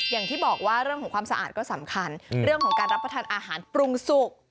อย่างที่บอกว่าเรื่องของความสะอาดก็สำคัญเรื่องของการรับประทานอาหารปรุงสุก